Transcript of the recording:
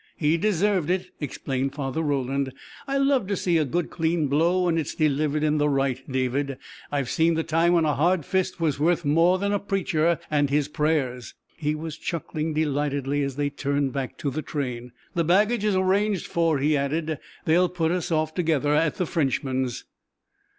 "He deserved it," explained Father Roland. "I love to see a good, clean blow when it's delivered in the right, David. I've seen the time when a hard fist was worth more than a preacher and his prayers." He was chuckling delightedly as they turned back to the train. "The baggage is arranged for," he added. "They'll put us off together at the Frenchman's."